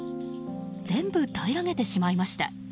全部たいらげてしまいました。